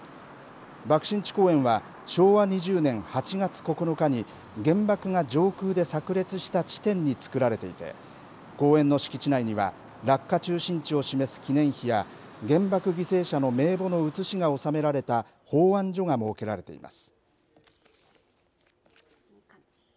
爆心地公園は昭和２０年８月９日に、原爆が上空でさく裂した地点に作られていて、公園の敷地内には、落下中心地を示す記念碑や、原爆犠牲者の名簿の写しが納められた奉安所が設けられています。